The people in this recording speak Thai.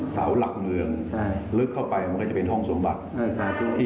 สาวหลักเมืองใช่ลึกเข้าไปมันก็จะเป็นห้องสงบัตรเอ่อสาธุ